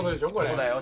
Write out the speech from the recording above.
そうだよ。